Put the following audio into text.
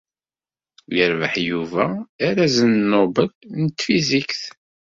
Yerbeḥ Yuba arraz Nobel n tfizikt.